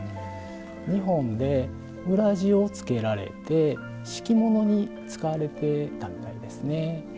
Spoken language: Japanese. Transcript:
日本で裏地をつけられて敷物に使われてたみたいですね。